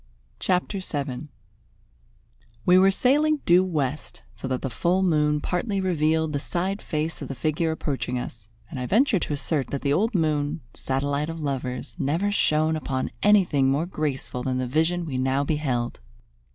CHAPTER VII We were sailing due west, so that the full moon partly revealed the side face of the figure approaching us, and I venture to assert that the old moon, satellite of lovers, never shone upon anything more graceful than the vision we now beheld.